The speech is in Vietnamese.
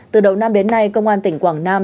từ đầu năm đến nay công an tỉnh quảng nam